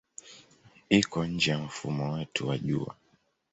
Iko nje ya mfumo wetu wa Jua.